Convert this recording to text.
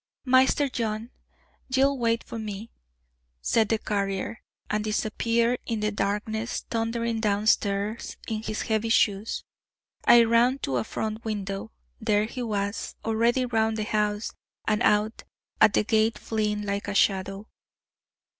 "Maister John, ye'll wait for me," said the carrier, and disappeared in the darkness, thundering downstairs in his heavy shoes. I ran to a front window: there he was, already round the house, and out at the gate fleeing like a shadow.